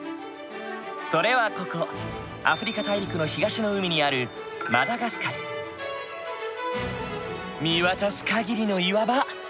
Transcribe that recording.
それはここアフリカ大陸の東の海にある見渡す限りの岩場。